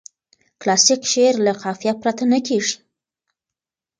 کلاسیک شعر له قافیه پرته نه کیږي.